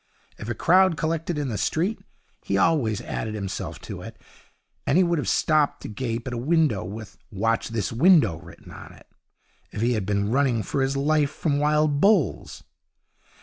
If a crowd collected in the street he always added himself to it, and he would have stopped to gape at a window with 'Watch this window' written on it, if he had been running for his life from wild bulls.